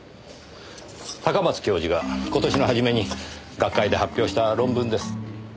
高松教授が今年の初めに学会で発表した論文です。